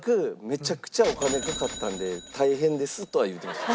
めちゃくちゃお金かかったんで大変ですとは言うてました。